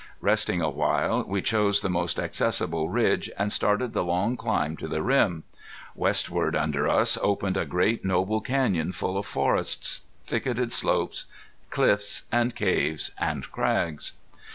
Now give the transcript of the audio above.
Resting a while we chose the most accessible ridge and started the long climb to the rim. Westward under us opened a great noble canyon full of forests, thicketed slopes, cliffs and caves and crags.